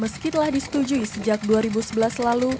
meski telah disetujui sejak dua ribu sebelas lalu